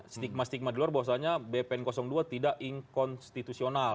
stigma stigma di luar bahwasanya bpn dua tidak inkonstitusional